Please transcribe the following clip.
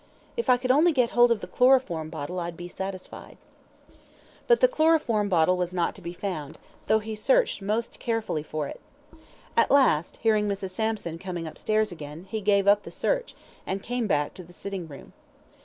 If I could only get hold of the chloroform bottle I'd be satisfied." But the chloroform bottle was not to be found, though he searched most carefully for it. At last, hearing Mrs. Sampson coming upstairs again, he gave up the search, and came back to the sitting room.